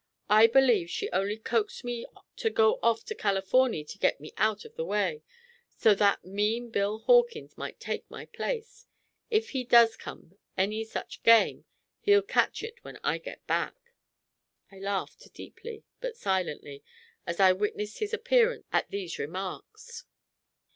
I believe she only coaxed me to go off to Californy to get me out of the way, so that mean Bill Hawkins might take my place. If he does come any such game, he'll catch it when I get back." I laughed deeply, but silently, as I witnessed his appearance at these remarks.